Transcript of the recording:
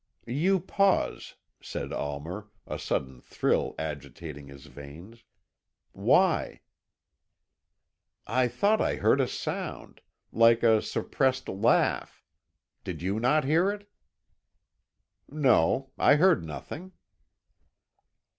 "You pause," said Almer, a sudden thrill agitating his veins. "Why?" "I thought I heard a sound like a suppressed laugh! Did you not hear it?" "No. I heard nothing."